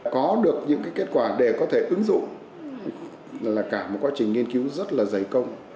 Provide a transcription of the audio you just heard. có được những kết quả để có thể ứng dụng là cả một quá trình nghiên cứu rất là dày công